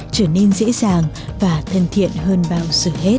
trở nên dễ dàng và thân thiện hơn bao giờ hết